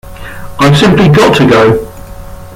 I’ve simply got to go.